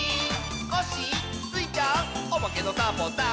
「コッシースイちゃんおまけのサボさん」